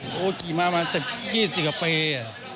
โอ้จ๊อกกี้มาประมาณ๒๐กว่าปี